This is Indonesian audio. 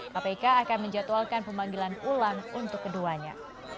kpk akan menjatuhkan pemanggilan ulang untuk keduanya